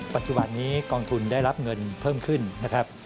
ปัจจุบันนี้กองทุนได้รับเงินเพิ่มขึ้นนะครับ